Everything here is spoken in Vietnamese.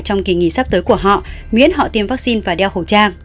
trong kỳ nghỉ sắp tới của họ miễn họ tiêm vaccine và đeo khẩu trang